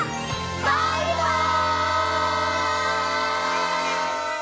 バイバイ！